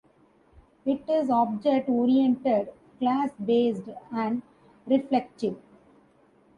It is object-oriented, class-based, and reflective.